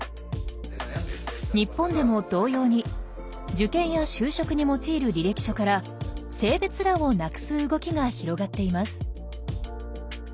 日本でも同様に受験や就職に用いる履歴書から性別欄をなくす動きが広がっています。